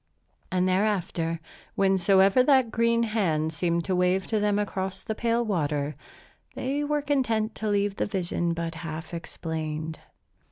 And thereafter, whensoever that green hand seemed to wave to them across the pale water, they were content to leave the vision but half explained.